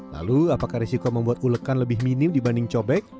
lalu apakah risiko membuat ulekan lebih minim dibanding cobek